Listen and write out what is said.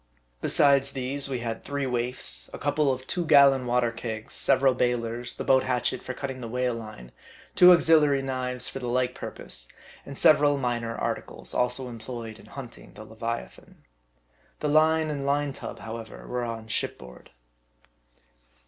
Besides these, we had three waifs, a cou ple of two gallon water kegs, several bailers, the boat hatchet for cutting the whale line, two auxiliary knives for the like purpose, and several minor articles, also employed in hunt ing the leviathan. The line and line tub, however, were on ship board.